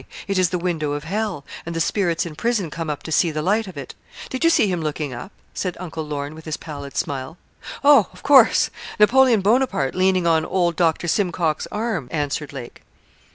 it is the window of hell, and the spirits in prison come up to see the light of it. Did you see him looking up?' said Uncle Lorne, with his pallid smile. 'Oh! of course Napoleon Bonaparte leaning on old Dr. Simcock's arm,' answered Lake.